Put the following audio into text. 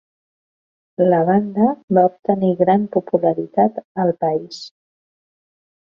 La banda va obtenir gran popularitat al país.